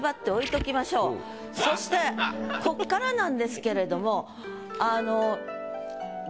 そしてここからなんですけれども。